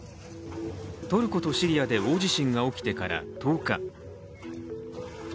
トルコとシリアで大地震が起きてから１０日。